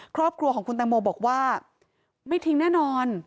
ครอบครัวของคุณตังโมบอกว่าไม่ทิ้งแน่นอน